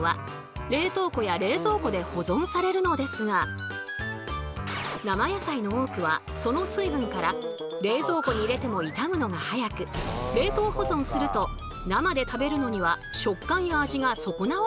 年に一度生野菜の多くはその水分から冷蔵庫に入れてもいたむのが早く冷凍保存すると生で食べるのには食感や味が損なわれてしまうことが。